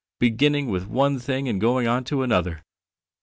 Beginning with one thing and going on to another!"